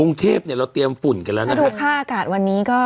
กรุงเทพเนี่ยเราเตรียมฝุ่นกันแล้วนะครับดูค่าอากาศวันนี้ก็